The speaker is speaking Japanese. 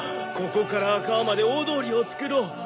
ここから川まで大通りを作ろう！